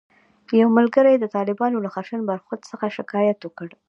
یو ملګري د طالبانو له خشن برخورد څخه شکایت وکړ.